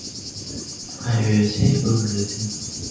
位于吉布提吉布提城。